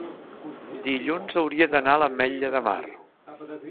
dilluns hauria d'anar a l'Ametlla de Mar.